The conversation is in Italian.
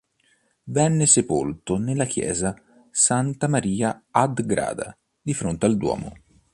Venne sepolto nella chiesa "Santa Maria ad grada", di fronte al Duomo.